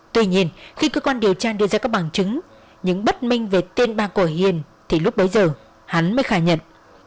tuy nhiên khi cơ quan điều tra đưa ra các bằng chứng những bất minh về tên ba cổ hiền thì lúc bấy giờ hắn mới khai nhận